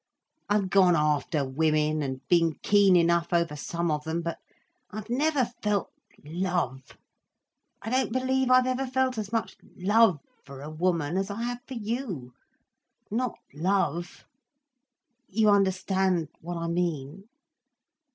I've gone after women—and been keen enough over some of them. But I've never felt love. I don't believe I've ever felt as much love for a woman, as I have for you—not love. You understand what I mean?"